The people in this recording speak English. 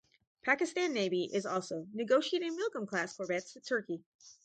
Pakistan Navy is also, negotiating Milgem class corvettes with Turkey.